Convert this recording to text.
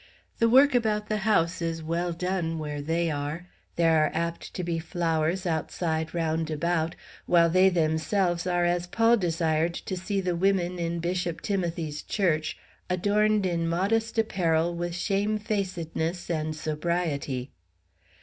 The work about the house is well done where they are; there are apt to be flowers outside round about; while they themselves are as Paul desired to see the women in bishop Timothy's church, "adorned in modest apparel, with shamefacedness and sobriety."